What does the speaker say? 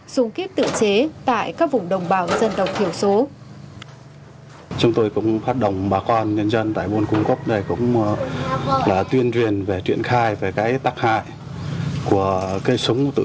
súng kiếp tự chế tại các vùng đồng bào dân tộc thiểu số